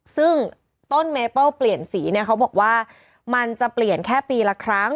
ซึ่งต้นเมเปิ้ลเปลี่ยนสีเนี่ยเขาบอกว่ามันจะเปลี่ยนแค่ปีละครั้ง